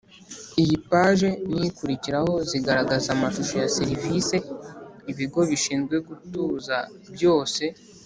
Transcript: Iyi paje n ikurikiraho ziragaragaza amashusho ya za serivise ibigo bishinzwe gutuza byose